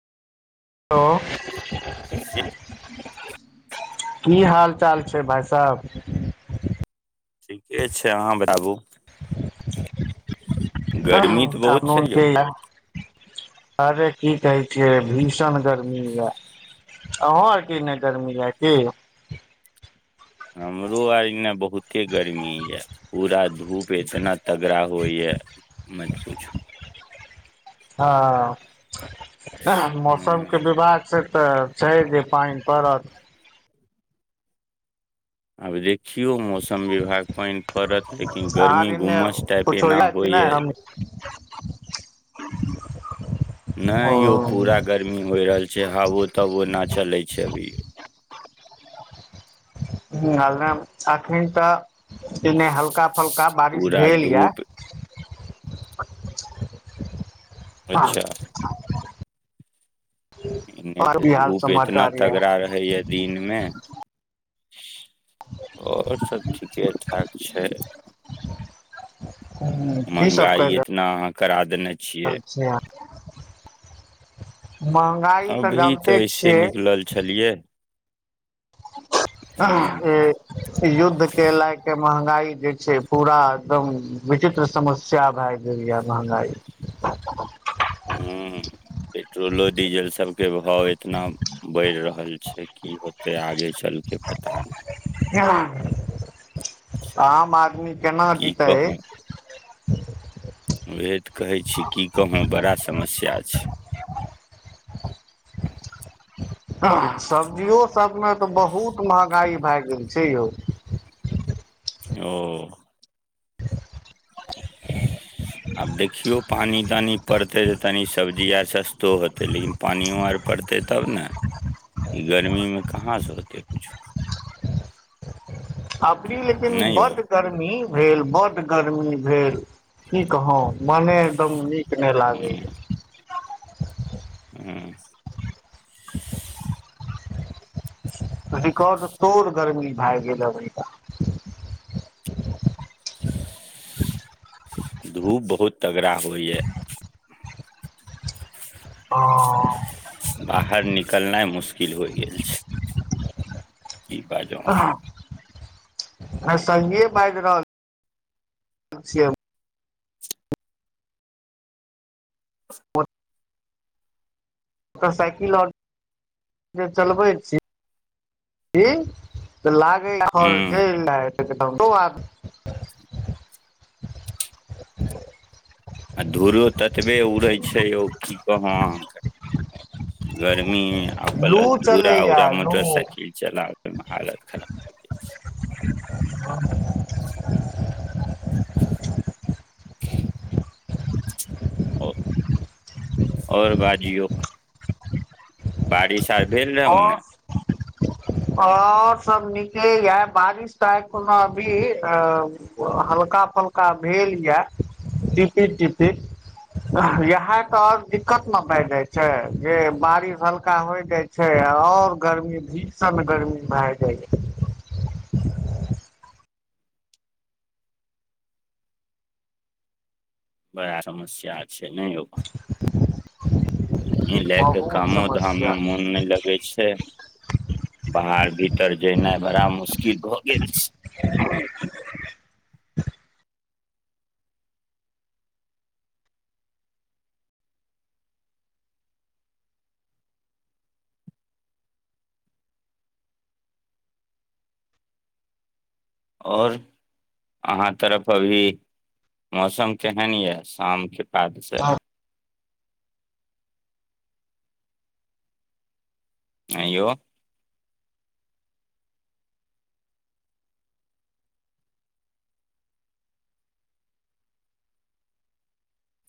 Hello जी की हाल चाल छै भाइ साहब ठीके छै अहाँ बताबू [inaudible] [unintelligible] गर्मी तऽ बहुत छै यौ अरे की कहै छियै भीषण गर्मी [unintelligible] अहू आर की एने गर्मी यै की हमरो आर एने बहुते गर्मी यए पूरा धूप इतना तगड़ा होइए मत पूछू हँ मौसम के हँ विभाग से तऽ छै जे पानि पड़त आब देखियौ मौसम विभाग पानि पड़त लेकिन अहाँ आर गर्मी एने गुमस टाइप कुछो एना यै कि नहि होइये हम [inaudible] नहि यौ पूरा गर्मी होय रहल छै जे हबो तबो ना चलै छै अभी अखन तऽ एने हल्का फल का बारिश पूरा भेलयै धूप अच्छा [unintelligible] एने तऽ की हाल धूप एतना समाचार ये तगड़ा रहैया दिनमे [inaudible] आओर सब ठीक ठीके ठाक छै ह कि सब करि रहल कराट देने छियै [unintelligible] महँगाइ तऽ अभी जाइनते ऐसे छियै निकलल छलियै हूँ युद्ध के लएके महंगाई जे छै पूरा एकदम विचित्र समस्या भए गेल यै महगाई ह पेट्रोलो डीजल सबके भाव एतना बढ़ि रहल छै की होतै आगे चलके पता नहि ह आम आदमी केना की जितै [unintelligible] वएह त कहै छी की कहूँ बड़ा समस्या छै हँ सब्जियौ सब मे त बहुत महंगाई भय गेल [unintelligible] ओ आब देखियौ पानि तानि पड़तै तऽ तनि सबजी आर सस्तो हेतै लेकिन पानिओ आर पड़तै तब ने ई गर्मीमे कहाँसँ होतै किछो अबरी लेकिन नहि यौ बड्ड गर्मी भेल बड्ड गरमी भेल की कहौ मने एकदम नीक नहि लागै हूँ या हूँ रिकॉर्ड तोड़ गर्मी भए गेल अबरिका धूप बहुत तगड़ा होइया हँ-अ बाहर निकलनाइ मुश्किल होई गेल छै की बाजों नहि संगीेए बाजि रहल छियै [unintelligible] मोटरसाइकिल आओर जे चलबै छी की तऽ अहाँ हूँ लागेयै [unintelligible] [unintelligible] आ धुरो ततबे उड़ै छै यौ की कहौ अहाँके गरमी ी आब लू ब्ल धूरा चलैया औरा लू मोटरसइकिल चलाबैमे हालत खराब हो छै। [unintelligible] आ आओर बाजियो। बारिश आ हा। आओर सब नीके य, बारिश तऽ कोनो अभी हल्का फल्का भेल यऽ टिपी टिपित, इएह तऽ आओर दिक्कत न भए जाइ छै जे बारिश हल्का होइ छै। छै, आओर गर्मी भीषण गर्मी भए जाइ। बड़ा समस्या छै नहि यौ, गर्मी लए क बहुत कामो धाम मे समस्या मोन नहि लगै छै, बाहर भीतर जेनाइ बड़ा मुश्किल भऽ गेल छै। और अहााँ तरफ अभी मौसम केहनयए शाम के बाच छै। अयो